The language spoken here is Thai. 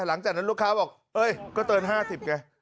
หลังจากนั้นลูกค้าบอกเอ้ยก็เกิน๕๐ไง